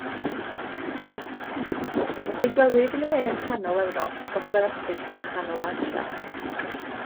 Fe'i gwelir yn ne a chanol Ewrop, gogledd Affrica a chanol Asia.